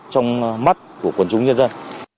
trong mắt của quần chúng nhân dân